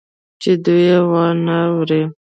چې دوى يې وانه وري.